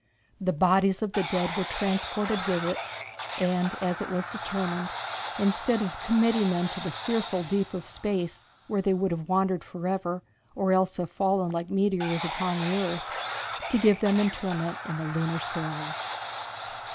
The bodies of the dead were transported with it, as it was determined, instead of committing them to the fearful deep of space, where they would have wandered forever, or else have fallen like meteors upon the earth, to give them interment in the lunar soil.